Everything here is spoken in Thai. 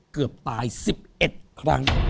เกือบตาย๑๑ครั้ง